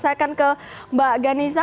saya akan ke mbak ghanisa